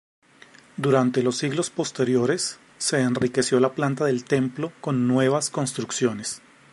Durante los siglos posteriores, se enriqueció la planta del templo con nuevas construcciones.